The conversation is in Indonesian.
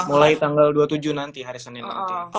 mulai tanggal dua puluh tujuh nanti hari senin nanti